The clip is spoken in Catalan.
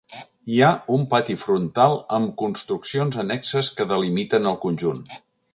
Hi ha un pati frontal amb construccions annexes que delimiten el conjunt.